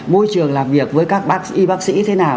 môi trường làm việc với các bác y bác sĩ thế nào